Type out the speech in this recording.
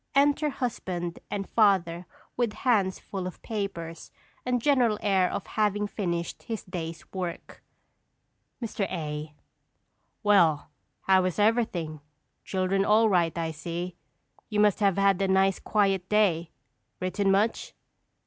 Enter husband and father with hands full of papers and general air of having finished his day's work._] Mr. A. Well, how is everything? Children all right, I see. You must have had a nice, quiet day. Written much?